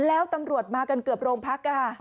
แล้วตำรวจมากันเกือบโรงพักค่ะ